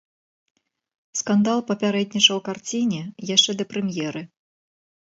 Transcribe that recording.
Скандал папярэднічаў карціне яшчэ да прэм'еры.